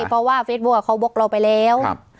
ใช่เพราะว่าเฟสบุ๊คอ่ะเขาบล็อกเราไปแล้วครับ